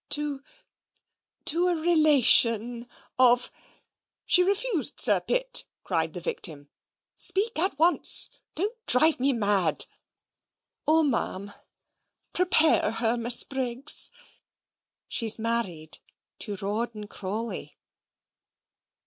"To to a relation of " "She refused Sir Pitt," cried the victim. "Speak at once. Don't drive me mad." "O Ma'am prepare her, Miss Briggs she's married to Rawdon Crawley."